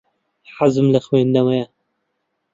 حەزم لە خوێندنەوەیە.